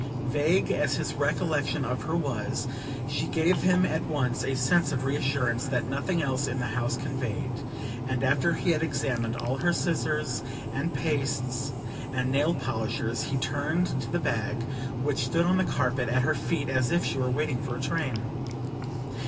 Vague as his recollection of her was, she gave him at once a sense of reassurance that nothing else in the house conveyed, and after he had examined all her scissors and pastes and nail polishers he turned to the bag, which stood on the carpet at her feet as if she were waiting for a train.